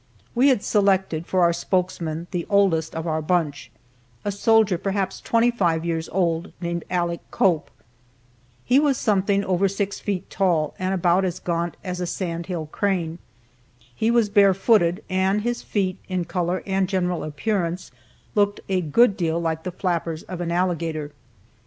We had selected for our spokesman the oldest one of our bunch, a soldier perhaps twenty five years old, named Aleck Cope. He was something over six feet tall, and about as gaunt as a sand hill crane. He was bare footed, and his feet, in color and general appearance, looked a good deal like the flappers of an alligator.